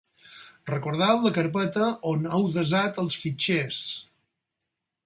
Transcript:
Recordeu la carpeta on heu desat els fitxers.